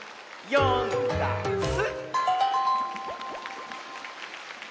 「よんだんす」